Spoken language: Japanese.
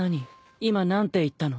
今何て言ったの？